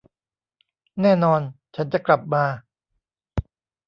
แน่นอน ฉันจะกลับมา